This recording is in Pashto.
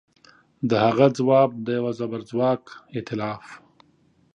د هغه ځواب د یوه زبرځواک ایتلاف